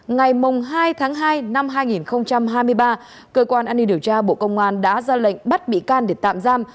ngày hai tháng hai năm hai nghìn hai mươi ba cơ quan an ninh điều tra bộ công an đã ra lệnh bắt bị can để tạm giam